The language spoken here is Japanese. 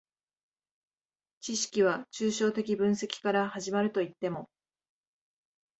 知識は抽象的分析から始まるといっても、